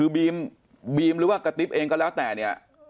คือบีมหรือว่ากระติ๊บเองก็แล้วแต่เนี่ย